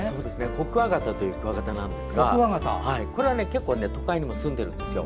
コクワガタというクワガタなんですが結構、都会にもすんでるんですよ。